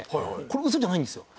これウソじゃないんですよ！